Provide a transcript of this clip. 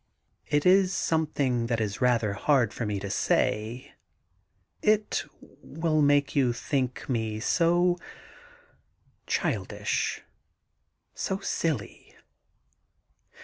' It is something that is rather hard for me to say. ... It will make you think me so childish, so silly.